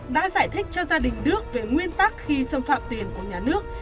đã giải thích cho gia đình đức về nguyên tắc khi xâm phạm tiền của nhà nước